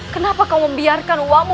kenapa kau membiarkan uamu